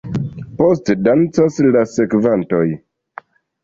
Poste dancas la sekvantoj.